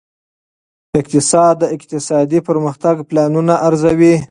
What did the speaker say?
اقتصاد د اقتصادي پرمختګ پلانونه ارزوي.